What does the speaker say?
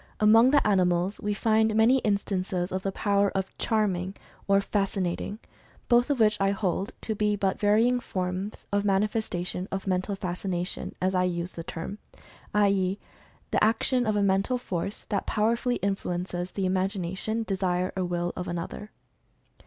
Among the animals we find many instances of the power of "charming" or "fascinating," both of which I hold to be but varying forms of manifestation of Mental Fascination as I use the term, i. e., "The action of a Mental Force that powerfully influences the imag ination, desire, or will of another."